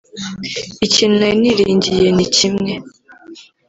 ikintu nari niringiye ni kimwe